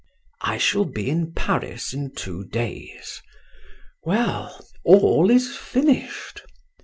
"I shall be in Paris in two days. Well, all is finished.